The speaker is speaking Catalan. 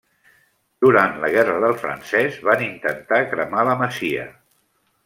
Durant la Guerra del Francès van intentar cremar la masia.